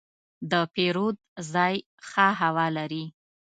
د پیرود ځای ښه هوا لري.